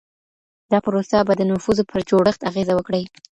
دا پروسه به د نفوسو پر جوړښت اغېزه وکړي.